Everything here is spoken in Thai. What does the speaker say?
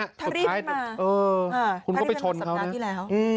ถ้ารีบขึ้นมาคุณก็ไปชนเขานะ